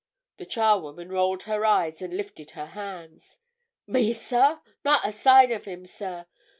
The charwoman rolled her eyes and lifted her hands. "Me, sir! Not a sign of him, sir.